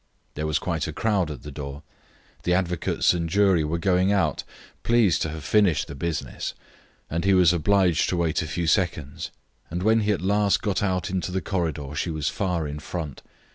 There was quite a crowd at the door. The advocates and jury were going out, pleased to have finished the business, and he was obliged to wait a few seconds, and when he at last got out into the corridor she was far in front.